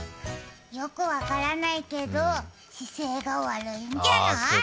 よく分からないけど、姿勢が悪いんじゃない？